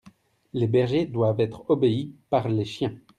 les bergers doivent être obéis par les chiens.